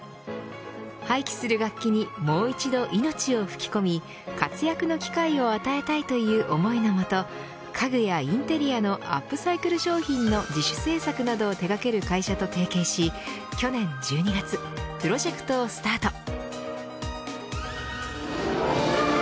廃棄する楽器にもう一度命を吹き込み活躍の機会を与えたいという思いのもと家具やインテリアのアップサイクル商品の自主制作などを手掛ける会社と提携し去年１２月プロジェクトをスタート。